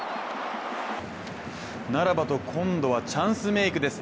ならばと今度はチャンスメイクです。